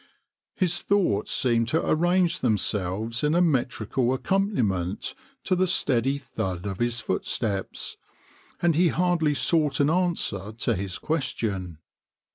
" His thoughts seemed to arrange themselves in a metrical accompaniment to the steady thud of his footsteps, and he hardly sought an answer to his question.